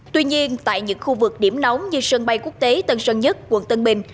tuy nhiên tại những khu vực điểm nóng như sân bay quốc tế tân sơn nhất quận tân bình